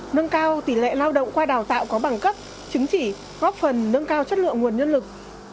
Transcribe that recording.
nâng cao tỷ lệ lao động qua đào tạo có bằng cấp chứng chỉ góp phần nâng cao chất lượng nguồn nhân lực